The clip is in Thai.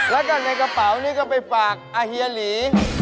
แล้วก็ในกระเป๋านี้ก็ไปฝากอาเฮียหลี